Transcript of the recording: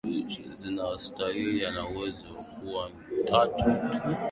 zinazostawi yana uwezo wa kuwa tu na kituo kimoja cha kufuatilia au